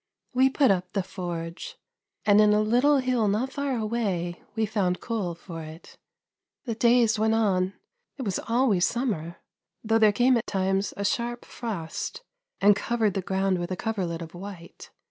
We put up the forge, and in a little hill not far away we found coal for it. The days went on. It was always summer, though there came at times a sharp frost, and covered the ground with a coverlet of white.